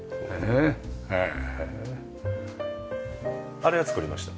あれは作りました。